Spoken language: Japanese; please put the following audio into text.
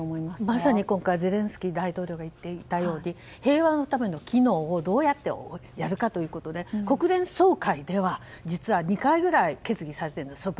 まさに今回ゼレンスキー大統領が言っていたように平和のための機能をどうやってやるかということで国連総会では実は２回ぐらい決議されているんです。